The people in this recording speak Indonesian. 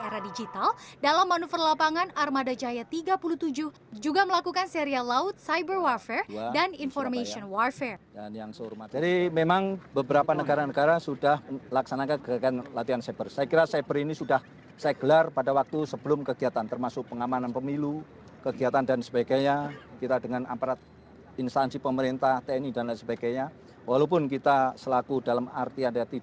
di era digital dalam manufra lapangan armada jaya tiga puluh tujuh juga melakukan serial laut